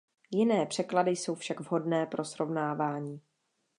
Jiné překlady jsou však vhodné pro srovnávání.